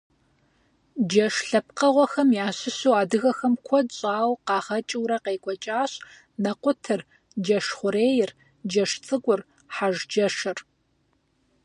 Джэш лъэпкъыгъуэхэм ящыщу адыгэхэм куэд щӀауэ къагъэкӀыурэ къекӀуэкӀащ нэкъутыр, джэшхъурейр, джэшцӀыкӀур, хьэжджэшыр.